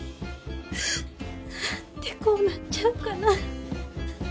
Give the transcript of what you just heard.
なんでこうなっちゃうかな？